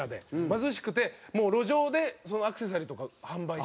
貧しくてもう路上でアクセサリーとかを販売して。